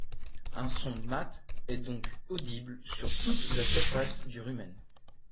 Un son mat est donc audible sur toute la surface du rumen.